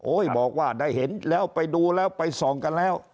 บอกว่าได้เห็นแล้วไปดูแล้วไปส่องกันแล้ว